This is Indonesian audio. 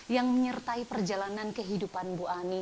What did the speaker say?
yang menyertai perjalanan kehidupan bu ani